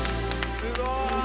すごい！